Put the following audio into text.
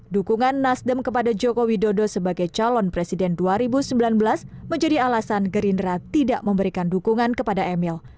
dukungan nasdem kepada joko widodo sebagai calon presiden dua ribu sembilan belas menjadi alasan gerindra tidak memberikan dukungan kepada emil